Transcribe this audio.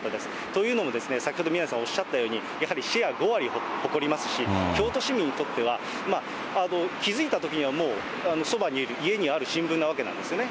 というのも、先ほど宮根さんおっしゃったように、やはりシェア５割を誇りますし、京都市民にとっては、気付いたときにはもう、そばにいる、家にある新聞なわけなんですよね。